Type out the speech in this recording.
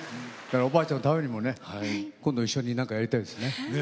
おばあちゃんのためにもね今度一緒に何かやりたいですね。